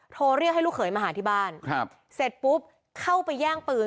โทรเรียกให้ลูกเขยมาหาที่บ้านครับเสร็จปุ๊บเข้าไปแย่งปืน